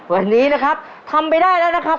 วันนี้นะครับทำไปได้แล้วนะครับ